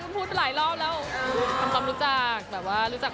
มีมั้ยมีมั้ยไม่ได้จีบเพราะทำความรู้จัก